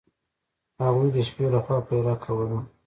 هغوی د شپې له خوا پیره کوله.